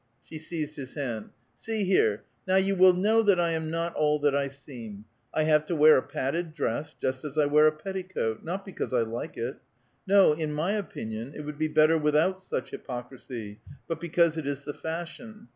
She seized his hand. *' See here ! Now yon will know that I am not all that I seem ! I have to wear a padded dress, just as I wear a petticoat, not because I like it. No, in my opinion it would be better with out such hypocrisy, but because it is the fashion.